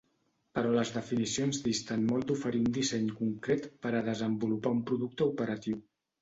Però les definicions disten molt d’oferir un disseny concret per a desenvolupar un producte operatiu.